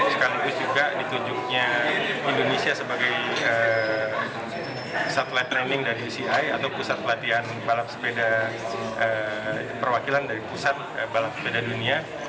sekaligus juga ditunjuknya indonesia sebagai satelit training dari uci atau pusat pelatihan balap sepeda perwakilan dari pusat balap sepeda dunia